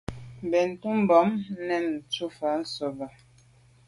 Benntùn bam, nèn dù’ fà’ sobe.